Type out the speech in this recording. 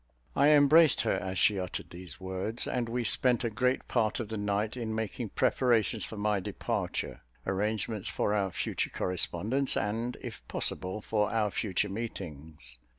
I embraced her as she uttered these words; and we spent a great part of the night in making preparations for my departure, arrangements for our future correspondence, and, if possible, for our future meetings.